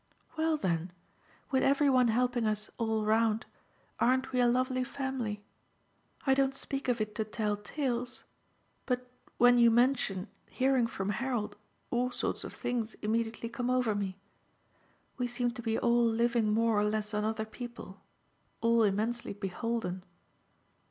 "Well then, with every one helping us all round, aren't we a lovely family? I don't speak of it to tell tales, but when you mention hearing from Harold all sorts of things immediately come over me. We seem to be all living more or less on other people, all immensely 'beholden.